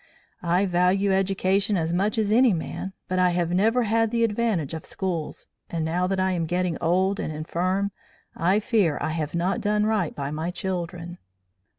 'I value education as much as any man, but I have never had the advantage of schools, and now that I am getting old and infirm, I fear I have not done right by my children.'